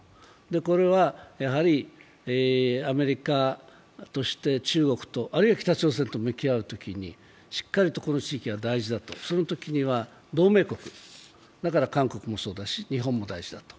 これはやはりアメリカとして中国と、あるいは北朝鮮と向き合うときにしっかりとこの地域は大事だと、そのときには同盟国、だから韓国もそうだし、日本も大事だと。